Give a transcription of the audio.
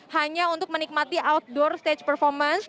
hanya untuk menikmati outdoor stage performance